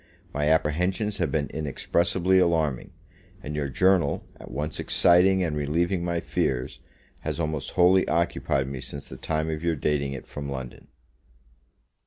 My apprehensions have been inexpressibly alarming; and your journal, at once exciting and relieving my fears, has almost wholly occupied me since the time of your dating it from London.